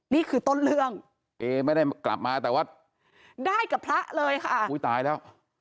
นี่คือต้นเรื่องเอไม่ได้กลับมาแต่ว่าได้กับพระเลยค่ะอุ้ยตายแล้ว